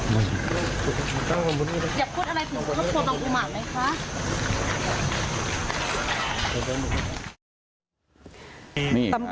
มีอะไรจะพูดไหมค่ะอย่าพูดอะไรถึงครอบครัวบางอุมารไหมค่ะ